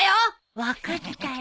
分かったよ。